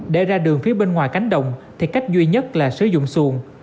để ra đường phía bên ngoài cánh đồng thì cách duy nhất là sử dụng xuồng